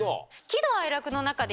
喜怒哀楽の中で。